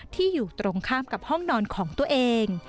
อยู่ตรงข้ามกับห้องนอนของตัวเอง